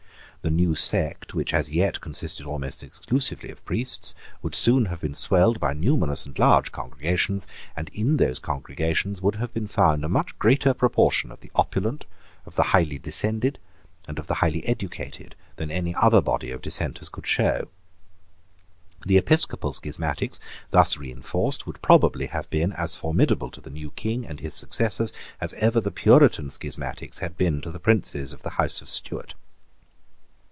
The new sect, which as yet consisted almost exclusively of priests, would soon have been swelled by numerous and large congregations; and in those congregations would have been found a much greater proportion of the opulent, of the highly descended, and of the highly educated, than any other body of dissenters could show. The Episcopal schismatics, thus reinforced, would probably have been as formidable to the new King and his successors as ever the Puritan schismatics had been to the princes of the House of Stuart.